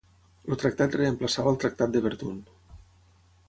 El tractat reemplaçava el Tractat de Verdun.